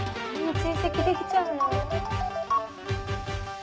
追跡できちゃうの？